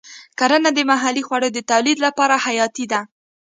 کرنه د محلي خوړو د تولید لپاره حیاتي ده.